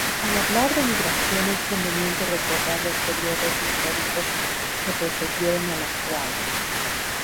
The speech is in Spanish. Al hablar de migración es conveniente recordar los periodos históricos que precedieron al actual.